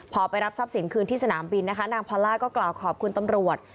พอไปรับทรัพย์สินคืนที่สนามบินนะคะนางพอลล่าก็กล่าวขอบคุณตำรวจ